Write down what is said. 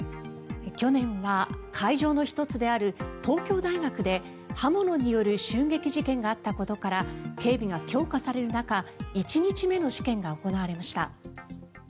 去年は会場の１つである東京大学で刃物による襲撃事件があったことから警備が強化される中１日目の試験が行われました。